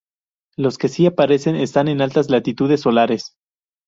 Los que sí aparecen están en altas latitudes solares.